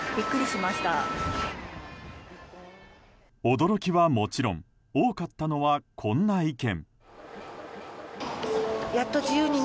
驚きはもちろん多かったのはこんな意見。